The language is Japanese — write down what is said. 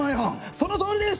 そのとおりです！